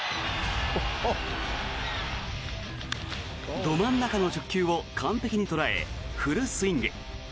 ど真ん中の直球を完全に捉えフルスイング。